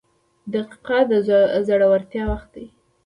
• دقیقه د زړورتیا وخت دی.